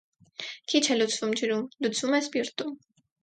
Քիչ է լուծվում ջրում, լուծվում է սպիրտում։